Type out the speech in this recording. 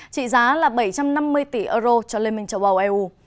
trị giá là bảy trăm năm mươi tỷ euro cho liên minh châu âu eu